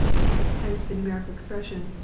Hence the numerical expressions o.